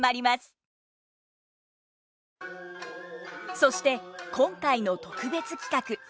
そして今回の特別企画。